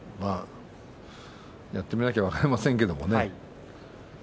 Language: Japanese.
やってみなきゃ分かりません。